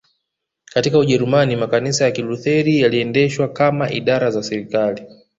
katika Ujerumani makanisa ya Kilutheri yaliendeshwa kama idara za serikali